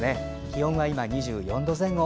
気温は２４度前後。